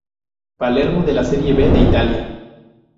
Palermo de la Serie B de Italia.